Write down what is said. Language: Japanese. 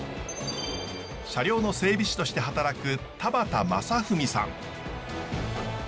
車両の整備士として働く田端昌史さん。